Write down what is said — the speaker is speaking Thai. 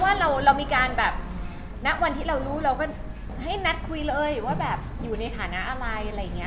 ว่าเรามีการแบบณวันที่เรารู้เราก็ให้นัดคุยเลยว่าแบบอยู่ในฐานะอะไรอะไรอย่างนี้